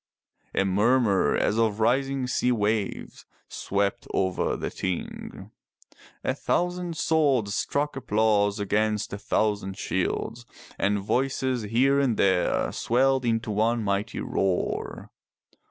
'' A murmur as of rising sea waves, swept over the Ting. A thousand swords struck applause against a thousand shields, and voices here and there swelled into one mighty roar.